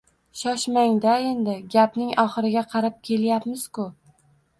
– Shoshmang-da endi, gapning oxiriga qarab kelyapmiz-ku